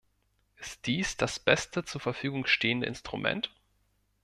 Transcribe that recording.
Ist dies das beste zur Verfügung stehende Instrument?